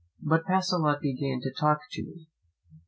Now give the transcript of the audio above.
But Pacolet began to talk to me.